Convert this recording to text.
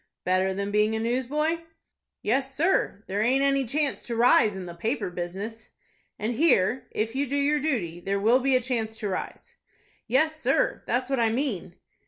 "Better than being a newsboy?" "Yes, sir; there aint any chance to rise in the paper business." "And here, if you do your duty, there will be a chance to rise." "Yes, sir, that's what I mean."